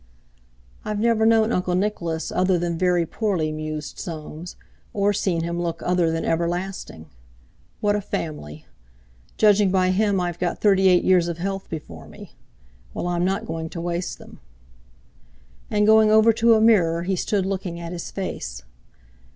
"I've never known Uncle Nicholas other than 'very poorly,'" mused Soames, "or seen him look other than everlasting. What a family! Judging by him, I've got thirty eight years of health before me. Well, I'm not going to waste them." And going over to a mirror he stood looking at his face.